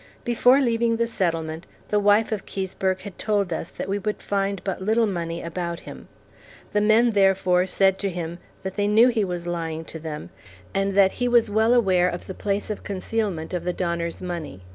Before leaving the settlement, the wife of Keseberg had told us that we would find but little money about him; the men therefore said to him that they knew he was lying to them, and that he was well aware of the place of concealment of the Donners' money.